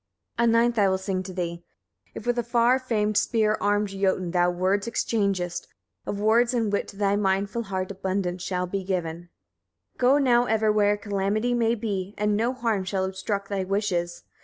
14. A ninth I will sing to thee. If with a far famed spear armed Jotun thou words exchangest, of words and wit to thy mindful heart abundance shall be given. 15. Go now ever where calamity may be, and no harm shall obstruct thy wishes.